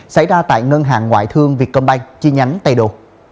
xảy ra tại ngân hàng ngoại thương việt công banh chi nhánh tây đô